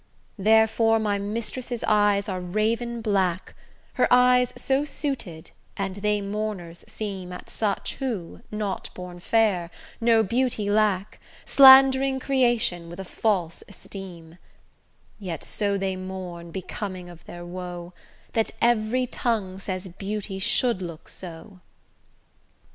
Therefore my mistress' eyes are raven black, Her eyes so suited, and they mourners seem At such who, not born fair, no beauty lack, Sland'ring creation with a false esteem: Yet so they mourn becoming of their woe, That every tongue says beauty should look so.